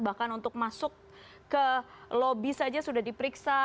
bahkan untuk masuk ke lobi saja sudah diperiksa